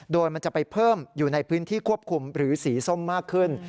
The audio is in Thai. โดยมันจะไปเพิ่มอยู่ในพื้นที่ควบคุมหรือสีส้มมากขึ้น